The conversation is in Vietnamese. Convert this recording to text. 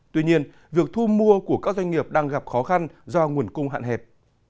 tuy nhiên việc thu mua của các doanh nghiệp đang gặp khó khăn do nguồn cung hạn hẹp